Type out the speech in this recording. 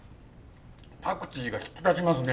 パクチーが引き立ちますね。